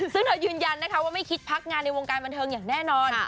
ซึ่งเธอยืนยันนะคะว่าไม่คิดพักงานในวงการบันเทิงอย่างแน่นอน